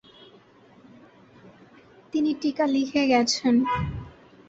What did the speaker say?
তিনি টীকা লিখে গেছেন।